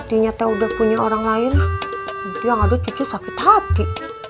ternyata udah punya orang lain nanti yang ada cucu sakit hati